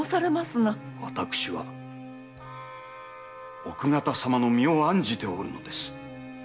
私は奥方様の身を案じておるのです。